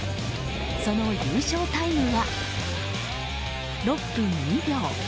その優勝タイムは６分２秒。